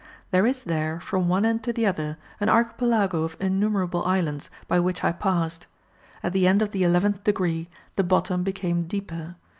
There is there, from one end to the other, an archipelago of innumerable islands, by which I passed. At the end of the eleventh degree the bottom became deeper.